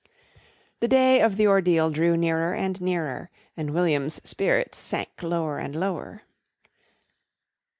The day of the ordeal drew nearer and nearer, and William's spirits sank lower and lower.